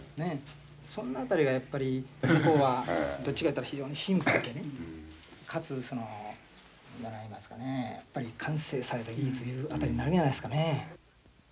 そんな辺りがやっぱり向こうはどっちかっていったら非常にシンプルでねかつそのやっぱり完成された技術いう辺りになるんやないですかね。